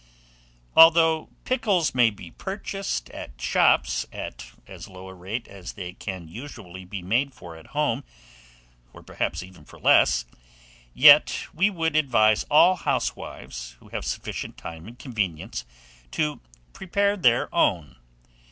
360. ALTHOUGH PICKLES MAY BE PURCHASED at shops at as low a rate as they can usually be made for at home, or perhaps even for less, yet we would advise all housewives, who have sufficient time and convenience, to prepare their own.